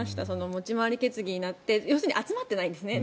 持ち回り決議になって要するに集まってないんですね。